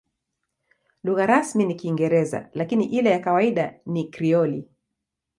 Lugha rasmi ni Kiingereza, lakini ile ya kawaida ni Krioli.